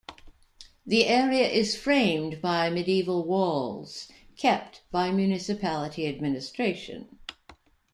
The area is framed by medieval walls kept by municipality administration.